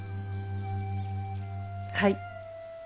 はい。